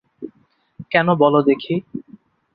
কেন বলো দেখি?